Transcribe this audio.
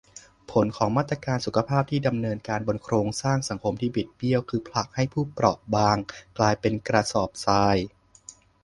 ผลของมาตรการสุขภาพที่ดำเนินการบนโครงสร้างสังคมที่บิดเบี้ยว คือผลักให้ผู้เปราะบางกลายเป็นกระสอบทราย